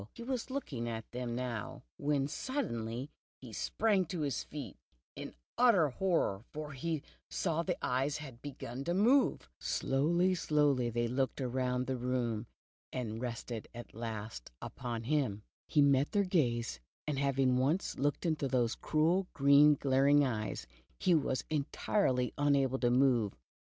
He was looking at 6S The Tiger on the Hudson. them now when, suddenly, he sprang to his feet in unutterable horror, for he saw that the eyes had begun to 7/iove / Slowly, slowly they looked round the room, and rested at last, upon /ii;u / He met their gaze, and having once looked into those cruel, green glaring eyes, he was en tirely unable to move.